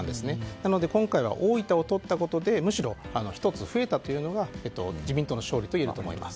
なので今回は大分をとったことでむしろ、１つ増えたというのが自民党の勝利といえます。